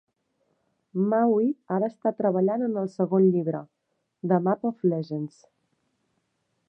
Mawi ara està treballant en el segon llibre: "The Map of Legends".